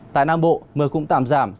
tại nam bộ mưa cũng tạm giảm